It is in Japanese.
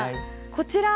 こちら。